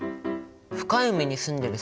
深い海に住んでる